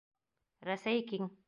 Рәсәй киң.